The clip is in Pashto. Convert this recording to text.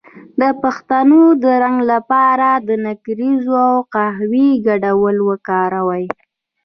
د ویښتو د رنګ لپاره د نکریزو او قهوې ګډول وکاروئ